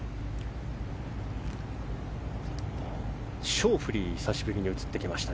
ショーフリーが久しぶりに映ってきました。